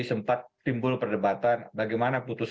sempat timbul perdebatan bagaimana putusan